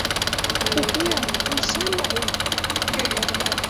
Upéva tuichamba'e'akue.